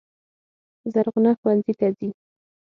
زرغونه ښوونځي ته ځي.